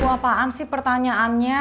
apaan sih pertanyaannya